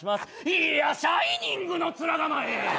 いや「シャイニング」の面構え